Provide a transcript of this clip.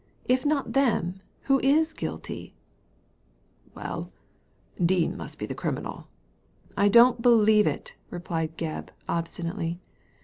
If not them, who is guilty ?"Well, Dean must be the criminal'' "I don't believe it," replied Gebb, obstinately.